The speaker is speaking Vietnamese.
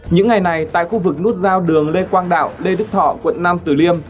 những ngày này tại khu vực nút giao đường lê quang đạo lê đức thọ quận nam tử liêm